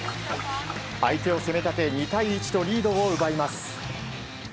相手を攻め立て２対１とリードを奪います。